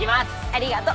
ありがと。